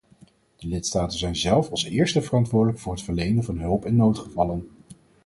De lidstaten zijn zelf als eerste verantwoordelijk voor het verlenen van hulp in noodgevallen.